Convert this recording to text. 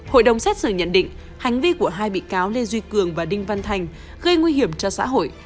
hội đồng xét xử nhận định hành vi của hai bị cáo lê duy cường và đinh văn thành gây nguy hiểm cho xã hội